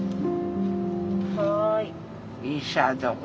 はい。